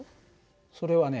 それはね